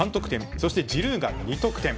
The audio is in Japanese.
そして、ジルーが２得点。